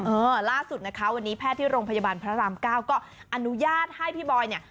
เออล่าสุดนะคะวันนี้แพทย์ที่โรงพยาบาลพระรามเก้าก็อนุญาตให้พี่บอยเนี่ย